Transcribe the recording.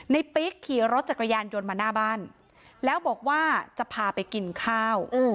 ปิ๊กขี่รถจักรยานยนต์มาหน้าบ้านแล้วบอกว่าจะพาไปกินข้าว